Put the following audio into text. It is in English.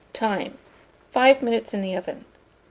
Time. 5 minutes in the oven.